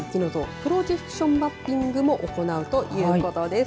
プロジェクションマッピングも行うということです。